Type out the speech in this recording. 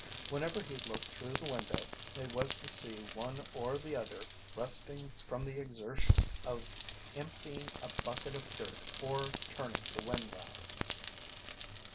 Whenever he looked through the window, it was to see one or the other resting from the exertion of emptying a bucket of dirt or turning the windlass.